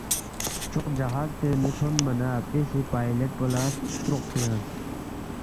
چوق جہاز پِنگ نُو تھونما نہ اپی سی پائلیٹ پو لہ تروق تنگس